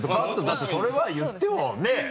だってそれは言ってもねぇ？